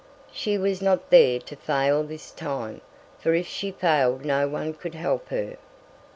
She was not there to fail this time, for if she failed no one could help her.